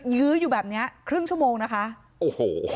ยื้ออยู่แบบเนี้ยครึ่งชั่วโมงนะคะโอ้โห